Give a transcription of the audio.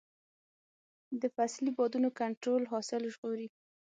د فصلي بادونو کنټرول حاصل ژغوري.